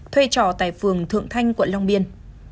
thuê trò tại phường thượng thanh quận long biên